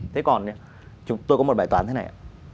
thế còn nha tôi có một bài toán thế này